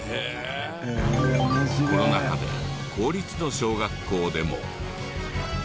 コロナ禍で公立の小学校でも。